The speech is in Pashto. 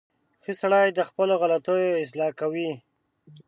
• ښه سړی د خپلو غلطیو اصلاح کوي.